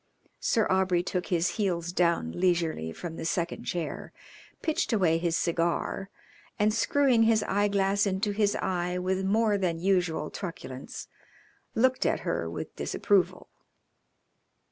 Sir Aubrey took his heels down leisurely from the second chair, pitched away his cigar, and, screwing his eyeglass into his eye with more than usual truculence, looked at her with disapproval.